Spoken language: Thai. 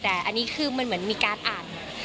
แต่อันนี้คือมันเหมือนมีการอ่าน